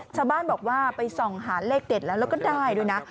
ชาวบ้านบอกว่าไปส่องหาเลขเด็ดแล้วแล้วก็ได้ด้วยนะ